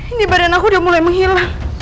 ini badan aku udah mulai menghilang